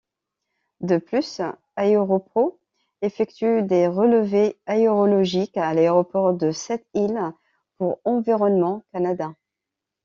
De plus, Aéropro effectue des relevés aérologiques à l’Aéroport de Sept-Îles pour Environnement Canada.